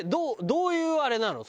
どういうあれなの？